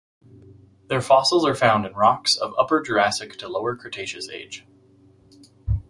Their fossils are found in rocks of Upper Jurassic to Lower Cretaceous age.